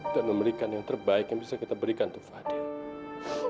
dan memberikan yang terbaik yang bisa kita berikan untuk fadil